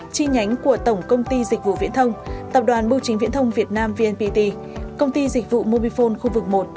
chi nhánh của tổng công ty dịch vụ viễn thông tập đoàn bưu chính viễn thông việt nam vnpt công ty dịch vụ mobifone khu vực một